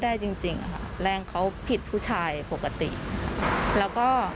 ความโหโชคดีมากที่วันนั้นไม่ถูกในไอซ์แล้วเธอเคยสัมผัสมาแล้วว่าค